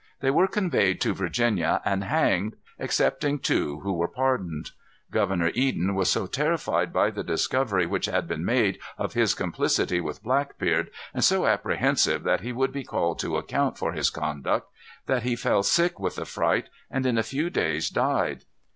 They were conveyed to Virginia and hanged, excepting two who were pardoned. Governor Eden was so terrified by the discovery which had been made of his complicity with Blackbeard, and so apprehensive that he would be called to account for his conduct, that he fell sick with the fright, and in a few days died.